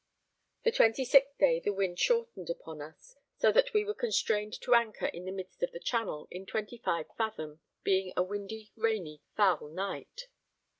The 26th day the wind shortened upon us, so that we were constrained to anchor in the midst of the Channel in 25 fathom, being a windy, rainy, foul night.